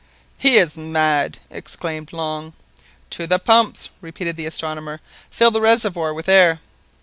"He is mad!" exclaimed Long. "To the pumps!" repeated the astronomer; "fill the reservoir with air!"